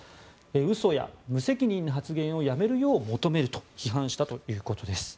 嘘や無責任な発言をやめるよう求めると批判したということです。